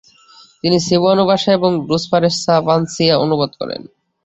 তিনি সেবুয়ানো ভাষায় এং ডোস পারেস সা প্রানসিয়া অনুবাদ করেন।